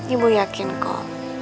ibu yakin kok